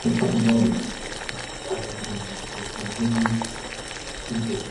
He was last seen helping women and children into lifeboats.